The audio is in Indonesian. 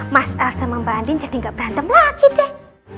mas al sama mbak andi jadi gak berantem lagi deh